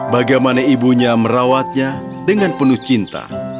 bagaimana ibunya merawatnya dengan penuh cinta